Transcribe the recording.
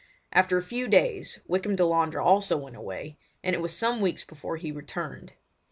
After a few days Wykham Delandre also went away, and it was some weeks before he returned.